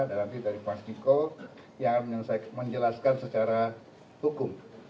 dan nanti dari pak ziko yang akan saya menjelaskan secara hukum